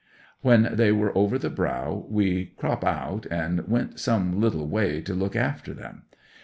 'When they were over the brow, we crope out, and went some little way to look after them.